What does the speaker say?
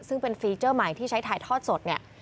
ซึ่งเป็นฟีเจอร์ใหม่ที่ใช้ถ่ายทอดสดเนี่ย